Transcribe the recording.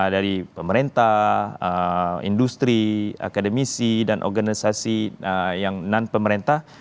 dari pemerintah industri akademisi dan organisasi yang non pemerintah